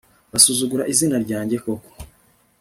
basuzugura izina ryanjye koko